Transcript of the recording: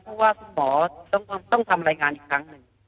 เพราะว่าคุณหมอต้องทำรายงานอีกครั้งหนึ่ง